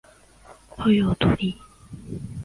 后又独立。